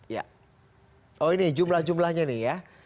ya oh ini jumlah jumlahnya nih ya